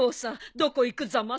どこ行くざます？